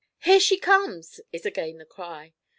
'Here she comes!' is again the cry.